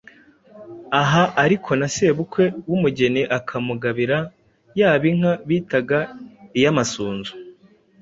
Aha ariko na sebukwe w’umugeni akamugabira yaba inka bitaga iy’amasunzu,